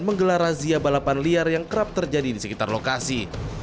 menggelar razia balapan liar yang kerap terjadi di sekitar lokasi